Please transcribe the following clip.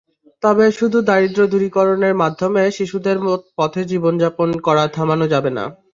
তবে শুধু দারিদ্র্য দূরীকরণের মাধ্যমে শিশুদের পথে জীবন যাপন করা থামানো যাবে না।